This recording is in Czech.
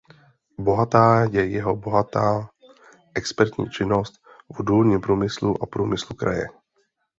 Bohatá je jeho bohatá expertní činnost v důlním průmyslu a průmyslu kraje.